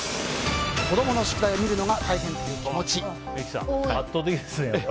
子供の宿題を見るのが大変という圧倒的ですね。